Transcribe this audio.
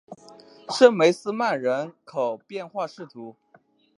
圣梅斯曼人口变化图示